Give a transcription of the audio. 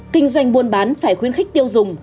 kinh doanh buôn bán phải khuyến khích tiêu dùng